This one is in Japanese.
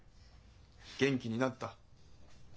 元気になった？